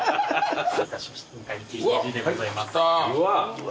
うわ！